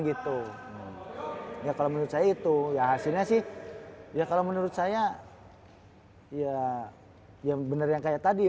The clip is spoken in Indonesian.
gitu ya kalau menurut saya itu ya hasilnya sih ya kalau menurut saya ya yang bener yang kayak tadi